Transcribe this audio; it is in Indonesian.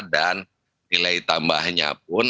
dan nilai tambahnya pun